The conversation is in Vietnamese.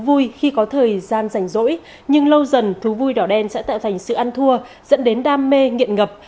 vui khi có thời gian rảnh rỗi nhưng lâu dần thú vui đỏ đen sẽ tạo thành sự ăn thua dẫn đến đam mê nghiện ngập